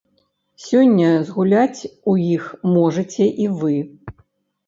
Сёння згуляць у іх можаце і вы!